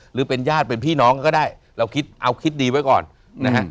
หรือเป็นญาติเป็นพี่น้องก็ได้เราคิดเอาคิดดีไว้ก่อนนะฮะ